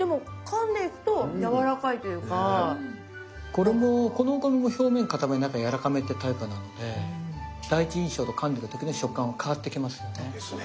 これもこのお米も表面かため中やわらかめってタイプなので第一印象とかんでた時の食感は変わってきますよね。ですね。